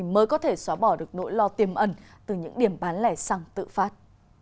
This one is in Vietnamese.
mới có thể xóa bỏ được nỗi lo tiềm ẩn từ những điểm bán lẻ xăng tự phát